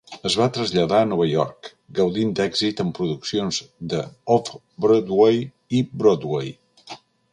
Es va traslladar a Nova York, gaudint d'èxit en produccions de Off Broadway i Broadway.